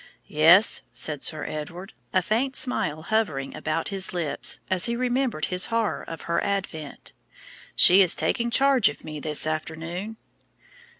"Yes," said Sir Edward, a faint smile hovering about his lips as he remembered his horror of her advent; "she is taking charge of me this afternoon."